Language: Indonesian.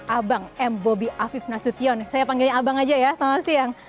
abang m bobi afif nasution saya panggilnya abang aja ya selamat siang